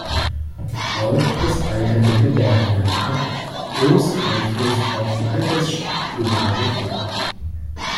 Auch das Alter der Gebärenden hat großen Einfluss auf die Altersstruktur der Bevölkerung.